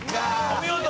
お見事！